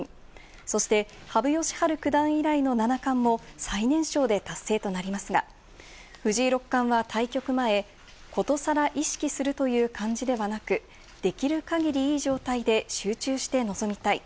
そして羽生善治九段以来の七冠も最年少で達成となりますが、藤井六冠は対局前、ことさら意識するという感じではなく、できる限り、いい状態で集中して臨みたい。